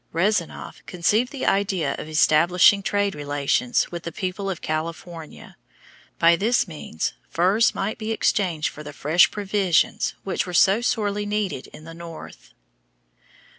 Rezanof conceived the idea of establishing trade relations with the people of California. By this means furs might be exchanged for the fresh provisions which were so sorely needed in the north.